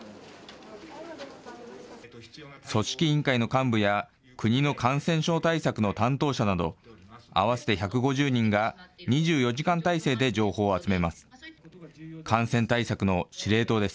組織委員会の幹部や国の感染症対策の担当者など、合わせて１５０人が２４時間体制で情報を集めます。